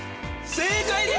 正解です。